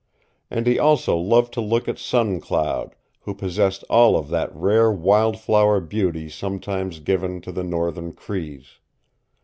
And he also loved to look at Sun Cloud, who possessed all of that rare wildflower beauty sometimes given to the northern Crees.